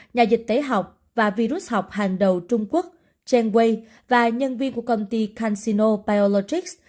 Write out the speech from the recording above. nhà dịch tế học và virus học hàng đầu trung quốc chen wei và nhân viên của công ty cansino biologics